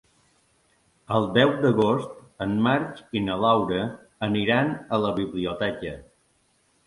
El deu d'agost en Marc i na Laura aniran a la biblioteca.